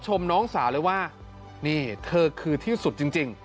ชมน้องสาวเลยว่านี่เธอคือที่สุดจริง